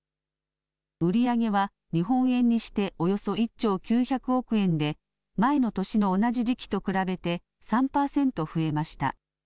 売り上げは日本円にしておよそ１兆９００億円で前の年の同じ時期と比べて３％増えました。